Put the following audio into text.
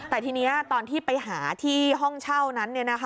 แต่ทีนี้ตอนที่ไปหาที่ห้องเช่านั้น